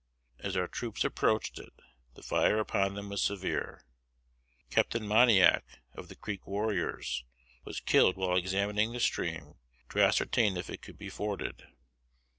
As our troops approached it, the fire upon them was severe. Captain Moniac, of the Creek warriors, was killed while examining the stream to ascertain if it could be forded.